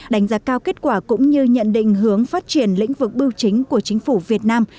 đánh giá cao kết quả cũng như nhận định hướng phát triển lĩnh vực biểu chính của chính phủ việt nam